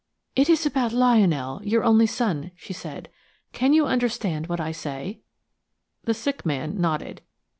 "It is about Lionel–your only son," she said. "Can you understand what I say?" The sick man nodded.